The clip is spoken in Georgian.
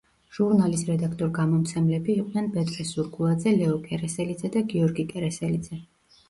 ჟურნალის რედაქტორ–გამომცემლები იყვნენ პეტრე სურგულაძე, ლეო კერესელიძე და გიორგი კერესელიძე.